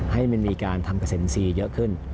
ให้มีการทำเกษตรซีเยอะขึ้น